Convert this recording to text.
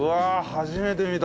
初めて見た！